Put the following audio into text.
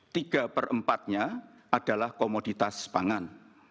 tiga perempatnya adalah komoditas pangan